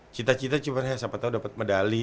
cita cita cuma ya siapa tau dapat medali